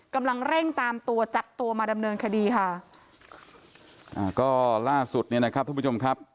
กำลังเร่งตามตัวจับตัวมาดำเนินคดีค่ะอ่าก็ล่าสุดเนี่ยนะครับทุกผู้ชมครับ